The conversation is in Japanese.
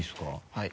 はい。